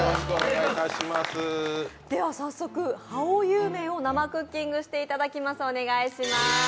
早速、ハオユー麺を生クッキングしていただきます。